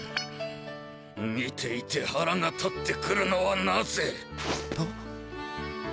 見ていてはらが立ってくるのはなぜ。